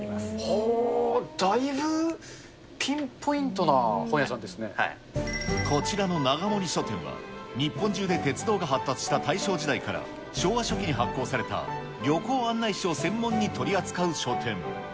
ほお、だいぶピンポイントなこちらの永森書店は、日本中で鉄道が発達した大正時代から昭和初期に発行された旅行案内誌を専門に取り扱う書店。